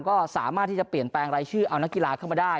ก็สามารถที่จะเปลี่ยนแปลงรายชื่อเอานักกีฬาเข้ามาได้